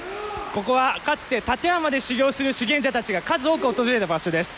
ここはかつて立山で修行する修験者たちが数多く訪れる場所です。